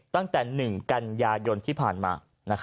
ตั้งแต่๑กันยายนที่ผ่านมา